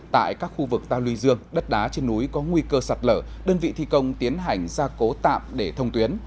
tại các khu vực ta luy dương đất đá trên núi có nguy cơ sạt lở đơn vị thi công tiến hành gia cố tạm để thông tuyến